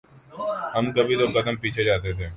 ہم کبھی دو قدم پیچھے جاتے تھے۔